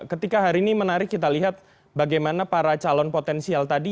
ketika hari ini menarik kita lihat bagaimana para calon potensial tadi